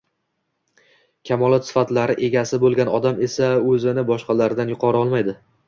Kamolot sifatlari egasi bo`lgan odam esa o`zini boshqalardan yuqori olmaydi